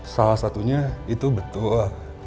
salah satunya itu betul